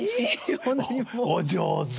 お上手。